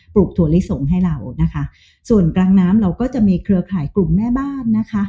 ลูกถั่วลิสงให้เรานะคะส่วนกลางน้ำเราก็จะมีเครือข่ายกลุ่มแม่บ้านนะคะ